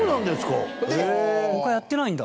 柴田：他やってないんだ。